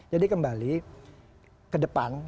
jadi kembali ke depan